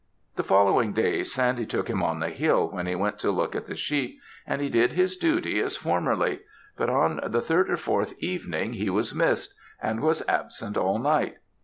The following days, Sandy took him on the hill when he went to look at the sheep, and he did his duty as formerly; but on the third or fourth evening he was missed, and was absent all night.